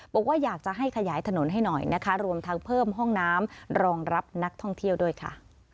บอกว่าอยากจะให้ขยายถนนให้หน่อยนะคะรวมทั้งเพิ่มห้องน้ำรองรับนักท่องเที่ยวด้วยค่ะ